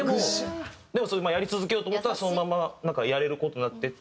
でもやり続けようと思ったらそのままなんかやれる事になっていって。